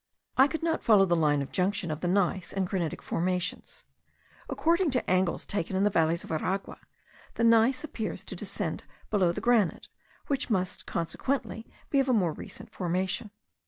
I could not follow the line of junction of the gneiss and granitic formations. According to angles taken in the valleys of Aragua, the gneiss appears to descend below the granite, which must consequently be of a more recent formation.